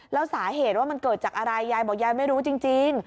แล้วสาเหตุว่ามันเกิดจากอะไรยายบอกยายไม่รู้จริง